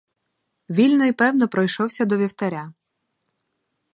Вільно й певно пройшовся до вівтаря.